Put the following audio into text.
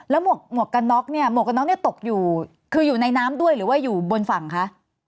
หมวกกันน็อกเนี่ยหมวกกันน็อกเนี่ยตกอยู่คืออยู่ในน้ำด้วยหรือว่าอยู่บนฝั่งคะ